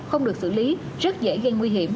không được xử lý rất dễ gây nguy hiểm